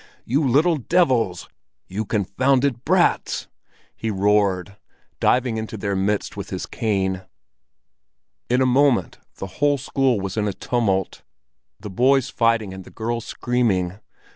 "You little devils! You confounded brats!" he roared, diving into their midst with his cane. In a moment the whole school was in a tumult, the boys fighting and the girls screaming.